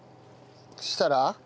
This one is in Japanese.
そしたら？